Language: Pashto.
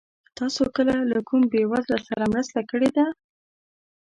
تاسو کله له کوم بېوزله سره مرسته کړې ده؟